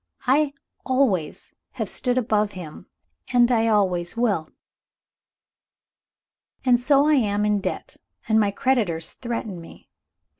I always have stood above him, and I always will! "And so I am in debt, and my creditors threaten me.